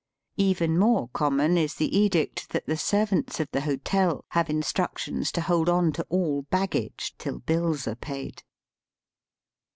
Even more common is the edict that the servants of the hotel have instructions to hold on to all baggage till bills are paid.